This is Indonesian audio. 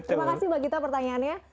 terima kasih mbak gita pertanyaannya